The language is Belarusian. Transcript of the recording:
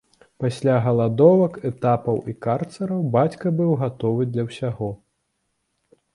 Пасля галадовак, этапаў і карцараў бацька быў гатовы да ўсяго.